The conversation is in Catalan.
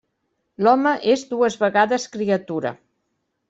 L'home és dues vegades criatura.